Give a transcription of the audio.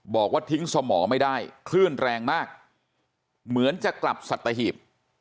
บอกว่าทิ้งสมองไม่ได้คลื่นแรงมากเหมือนจะกลับสัตหีบ